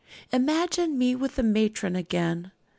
Imagine me with the matron again.